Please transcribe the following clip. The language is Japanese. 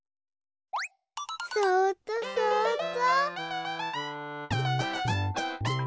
そうっとそうっと。